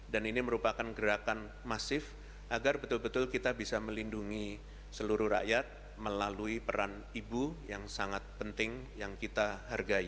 dan ini merupakan gerakan masif agar betul betul kita bisa melindungi seluruh rakyat melalui peran ibu yang sangat penting yang kita hargai